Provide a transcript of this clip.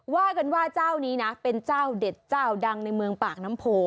ว่ากันว่าเจ้านี้นะเป็นเจ้าเด็ดเจ้าดังในเมืองปากน้ำโพ